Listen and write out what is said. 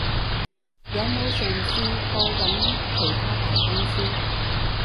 有冇嘗試過揾其它大公司？